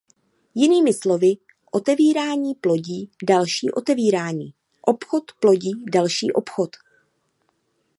Jinými slovy otevírání plodí další otevírání, obchod plodí další obchod.